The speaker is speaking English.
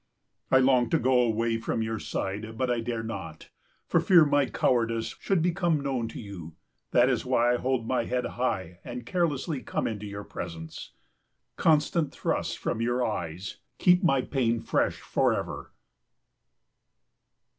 I long to go away from your side; but I dare not, for fear my cowardice should become known to you. That is why I hold my head high and carelessly come into your presence. Constant thrusts from your eyes keep my pain fresh for ever.